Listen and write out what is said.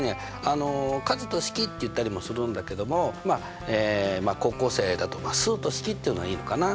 「数と式」って言ったりもするんだけどもまあ高校生だと「数と式」って言うのがいいのかな。